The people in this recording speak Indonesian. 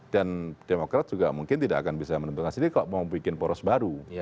dan demokrat juga mungkin tidak akan bisa menentukan sendiri kalau mau bikin poros baru